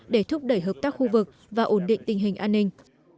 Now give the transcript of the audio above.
để thúc đẩy hợp tác khu vực và ổn định tình hình an ninh